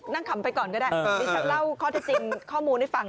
นั่งขำไปก่อนก็ได้ไปเล่าข้อจริงข้อมูลให้ฟัง